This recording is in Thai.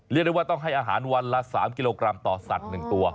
เรียกได้ว่าต้องให้อาหารวันละ๓กิโลกรัมต่อสัตว์๑ตัว